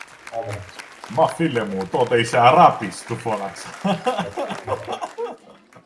Μα, φίλε μου, τότε είσαι Αράπης! του φώναξα